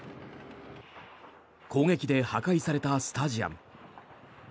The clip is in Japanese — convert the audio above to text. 攻撃で破壊されたスタジアム。